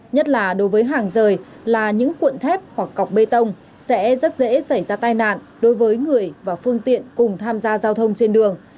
nhất là đối với hàng rời là những cuộn thép hoặc cọc bê tông sẽ rất dễ xảy ra tai nạn đối với người và phương tiện cùng tham gia giao thông trên đường